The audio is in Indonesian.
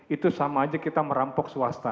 itu sama aja kita merampok swasta